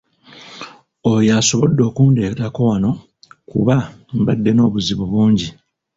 Oyo y'asobodde okundeetako wano kuba mbadde n'obuzibu bungi.